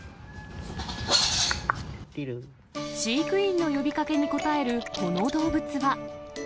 飼育員の呼びかけに応えるこの動物は。